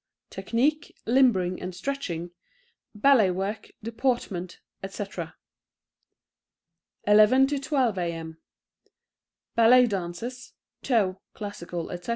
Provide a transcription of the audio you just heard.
{Technique, Limbering and Stretching {Ballet Work, Deportment, Etc. 11 to 12 A.M. {Ballet Dances (Toe, Classical, Etc.)